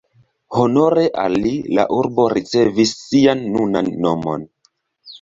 Honore al li la urbo ricevis sian nunan nomon.